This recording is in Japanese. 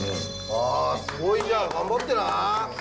ああ、すごいじゃん！頑張ってな！